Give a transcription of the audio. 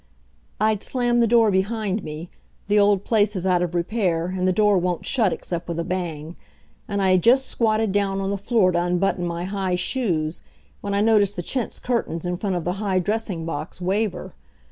I'd slammed the door behind me the old place is out of repair and the door won't shut except with a bang and I had just squatted down on the floor to unbutton my high shoes, when I noticed the chintz curtains in front of the high dressing box waver.